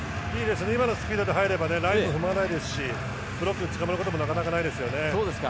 今のスピードで入ればラインも踏まないですしブロックにつかまることもなかなかないですよね。